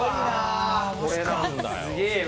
これなんだよ。